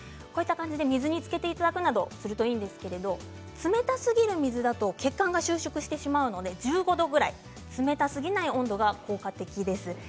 水につけていただくなどするといいんですけど冷たすぎる水だと血管が収縮してしまうので１５度くらい冷たすぎない温度が効果的です。